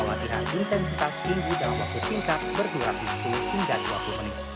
kekhawatiran intensitas tinggi dalam waktu singkat berdurasi sepuluh hingga dua puluh menit